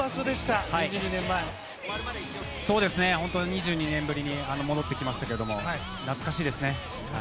２２年ぶりに戻ってきましたけども懐かしいですね。